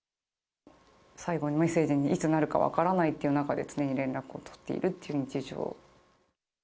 最後のメッセージにいつになるか分からないっていう中で、常に連絡を取っているっていう日常。